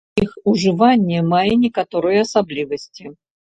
Іх ужыванне мае некаторыя асаблівасці.